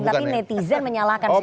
tapi netizen menyalahkan semua